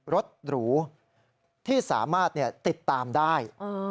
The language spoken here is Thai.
รถหรูที่สามารถติดตามได้